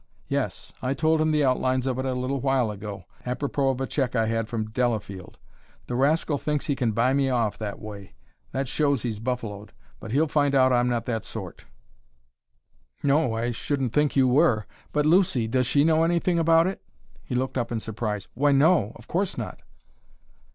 "Yes; I told him the outlines of it a little while ago, apropos of a check I had from Delafield. The rascal thinks he can buy me off that way. That shows he's buffaloed. But he'll find out I'm not that sort." "No; I shouldn't think you were. But Lucy does she know anything about it?" He looked up in surprise. "Why, no; of course not."